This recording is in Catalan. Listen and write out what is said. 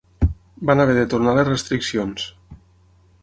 Van haver de tornar les restriccions.